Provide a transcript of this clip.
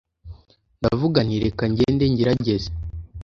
ndavuga nti reka ngende ngerageze